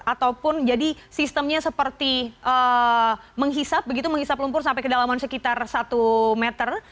ataupun jadi sistemnya seperti menghisap begitu menghisap lumpur sampai kedalaman sekitar satu meter